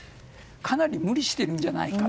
かなり無理しているんじゃないか。